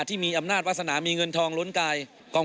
ที่มีอำนาจวาสนามีเงินทองล้นกาย